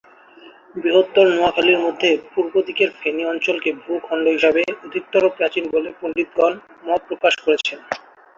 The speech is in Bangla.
বৃহত্তর নোয়াখালীর মধ্যে পূর্ব দিকের ফেনী অঞ্চলকে ভূ-খণ্ড হিসেবে অধিকতর প্রাচীন বলে পণ্ডিতগণ মত প্রকাশ করেছেন।